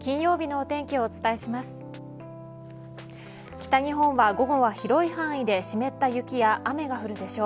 北日本は午後は広い範囲で湿った雪や雨が降るでしょう。